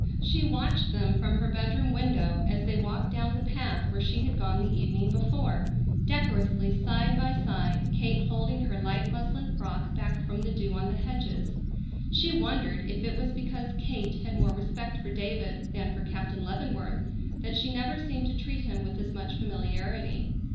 She watched them from her bedroom window as they walked down the path where she had gone the evening before, decorously side by side, Kate holding her light muslin frock back from the dew on the hedges. She wondered if it was because Kate had more respect for David than for Captain Leavenworth that she never seemed to treat him with as much familiarity.